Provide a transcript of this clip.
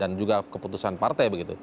dan juga keputusan partai begitu